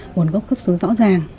nguồn gốc cấp số rõ ràng